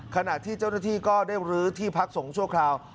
ขณะที่เจ้าหน้าที่ก็ได้รื้อที่พักสงฆ์ชั่วคราว